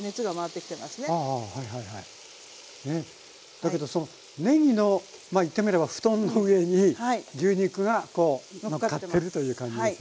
だけどそのねぎのまあ言ってみれば布団の上に牛肉がこうのっかってます。